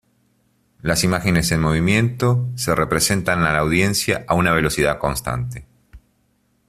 Las imágenes en movimiento se representan a la audiencia a una velocidad constante.